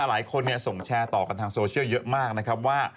หลายคนส่งแชร์ต่อกันทางโซเชียลเยอะมากนะครับว่า